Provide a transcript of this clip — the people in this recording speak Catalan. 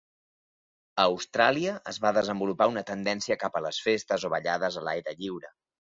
A Austràlia, es va desenvolupar una tendència cap a les festes o ballades a l'aire lliure.